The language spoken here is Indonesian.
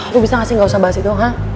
lo bisa ngasih gausah bahas itu doang ha